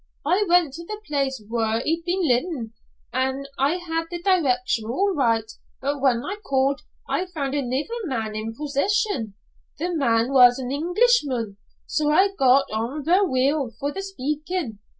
I went to the place whaur he'd been leevin'. I had the direction all right, but whan I called, I found anither man in possession. The man was an Englishman, so I got on vera weel for the speakin'.